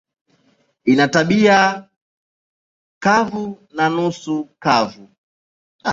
Ina hali ya tabianchi kavu na nusu kavu.